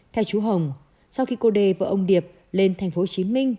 theo chú hồng sau khi cô đê vợ ông điệp lên thành phố chí minh